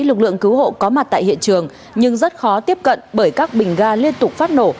lực lượng cứu hộ có mặt tại hiện trường nhưng rất khó tiếp cận bởi các bình ga liên tục phát nổ